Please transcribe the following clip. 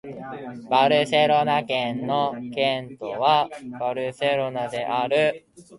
バルセロナ県の県都はバルセロナである